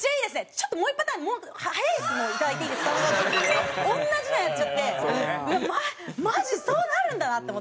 ちょっともう１パターン速いやつもいただいていいですか？」って同じのやっちゃってマジそうなるんだなって思って。